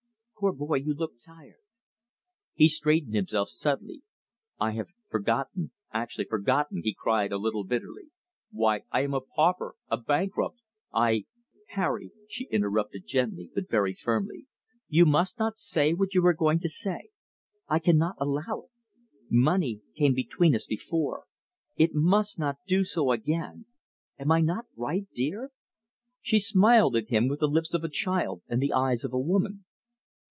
Poor boy, you look tired." He straightened himself suddenly. "I have forgotten, actually forgotten," he cried a little bitterly. "Why, I am a pauper, a bankrupt, I " "Harry," she interrupted gently, but very firmly, "you must not say what you were going to say. I cannot allow it. Money came between us before. It must not do so again. Am I not right, dear?" She smiled at him with the lips of a child and the eyes of a woman.